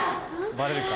バレるか？